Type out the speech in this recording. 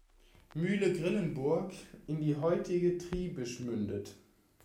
Mühle Grillenburg in die heutige Triebisch mündet.